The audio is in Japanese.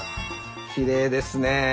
きれいですね。